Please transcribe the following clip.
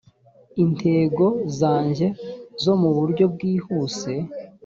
intego zanjye zo mu buryo bwihuse